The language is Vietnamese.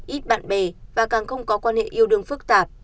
ít bạn bè và càng không có quan hệ yêu đương phức tạp